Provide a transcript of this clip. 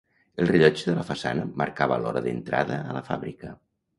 El rellotge de la façana marcava l'hora d'entrada a la fàbrica.